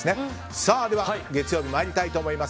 では月曜日参りたいと思います。